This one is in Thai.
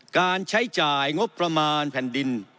การใช้จ่ายงบประมาณแผ่นดิน